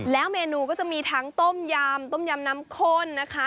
แล้วเมนูก็จะมีทั้งต้มยำต้มยำน้ำข้นนะคะ